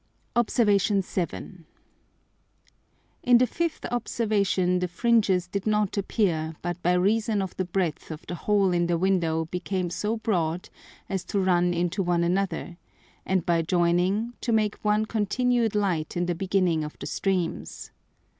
Obs. 7. In the fifth Observation the Fringes did not appear, but by reason of the breadth of the hole in the Window became so broad as to run into one another, and by joining, to make one continued Light in the beginning of the streams.